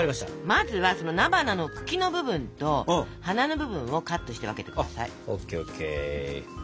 まずは菜花の茎の部分と花の部分をカットして分けて下さい。